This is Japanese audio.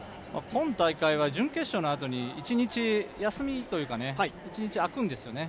今大会は準決勝のあとに、一日休みというか一日空くんですよね。